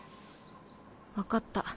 分かった